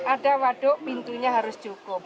ada waduk pintunya harus cukup